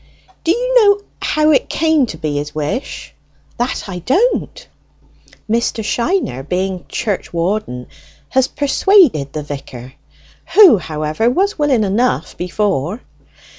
"Do you know how it came to be his wish?" "That I don't." "Mr. Shiner, being churchwarden, has persuaded the vicar; who, however, was willing enough before.